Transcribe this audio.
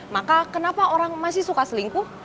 maka kenapa orang masih suka selingkuh